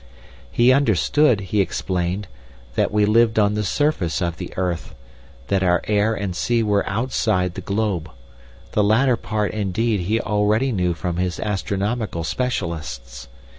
"He understood, he explained, that we lived on the surface of the earth, that our air and sea were outside the globe; the latter part, indeed, he already knew from his astronomical specialists.